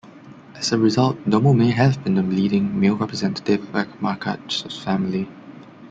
As a result, Domnall may have been the leading male representative of Echmarcach's family.